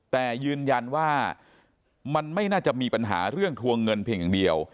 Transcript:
แต่ยืนยันว่ามันไม่น่าจะมีปัญหาเรื่องทวงเงินเพียงอย่างเดียว